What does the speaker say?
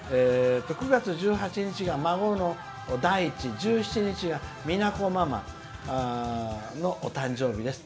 「９月１８日が孫のだいち１７日が、みなこママのお誕生日です。